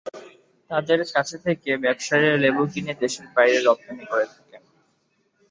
তাঁদের কাছ থেকে ব্যবসায়ীরা লেবু কিনে দেশের বাইরে রপ্তানি করে থাকেন।